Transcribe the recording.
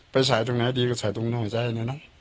ไปใส่ตรงไหนดีก็ใส่ตรงหัวใจเนี่ยนะ